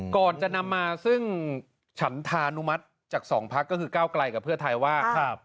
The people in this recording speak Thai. ก่อนจะนำมาซึ่งฉันธานุมัติจากสองพักก็คือก้าวไกลกับเพื่อไทยว่า